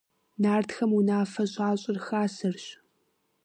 Нартхэм унафэ щащӀыр хасэрщ.